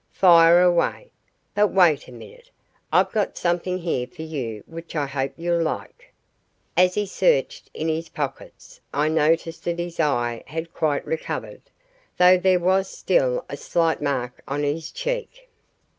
Fire away. But wait a minute, I've got something here for you which I hope you'll like." As he searched in his pockets, I noticed that his eye had quite recovered, though there was still a slight mark on his cheek.